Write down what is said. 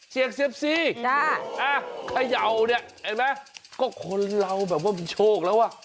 เสียงเซียมซีเขย่าเนี่ยเห็นไหมก็คนเราแบบว่ามีโชคแล้วอ่ะ